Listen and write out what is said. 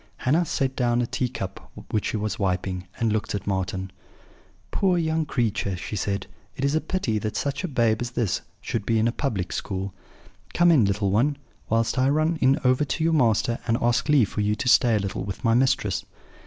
"Hannah set down a tea cup which she was wiping, and looking at Marten: "'Poor young creature!' she said. 'It is a pity that such a babe as this should be in a public school. Come in, little one, whilst I run over to your master and ask leave for you to stay a little with my mistress.'